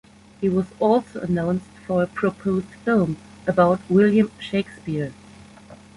He was also announced for a proposed film about William Shakespeare.